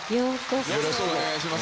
よろしくお願いします。